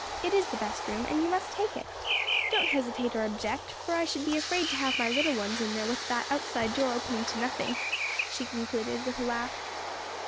"It is the best room, and you must take it. Don't hesitate or object, for I should be afraid to have my little ones in there with that outside door opening on to nothing," she concluded, with a laugh.